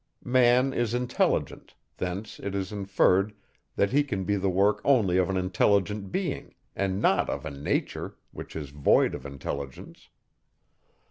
Man is intelligent; thence it is inferred, that he can be the work only of an intelligent being, and not of a nature, which is void of intelligence.